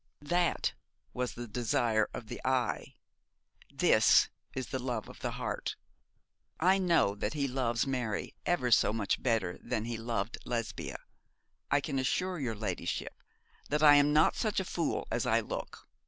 'That was the desire of the eye, this is the love of the heart. I know that he loves Mary ever so much better than he loved Lesbia. I can assure your ladyship that I am not such a fool as I look.